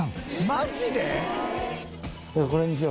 マジで？